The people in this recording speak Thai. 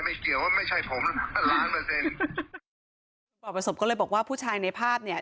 เกี่ยวว่าไม่ใช่ผมล้านเปอร์เซ็นต์ปล่อประสบก็เลยบอกว่าผู้ชายในภาพเนี่ย